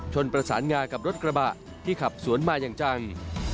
ประสานงากับรถกระบะที่ขับสวนมาอย่างจัง